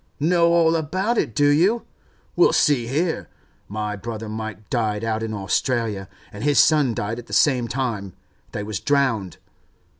'Know all about it, do you? Well, see here. My brother Mike died out in Australia, and his son died at the same time—they was drowned.